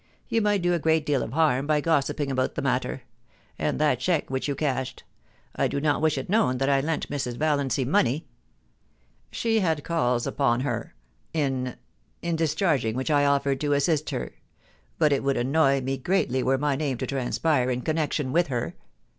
You might do a great deal of harm by gossiping about the matter. ... And that cheque which you cashed. I do not wish it known that I lent Mrs. Valiancy money. She had calls upon her ^in — in discharging which I offered to assist her ; but it would annoy me greatly were my name to transpire in connection with her.